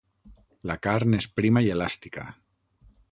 La carn és prima i elàstica.